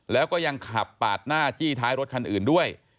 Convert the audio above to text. แล้วก็ยังขับปาดหน้าจี้ท้ายรถคันอื่นด้วย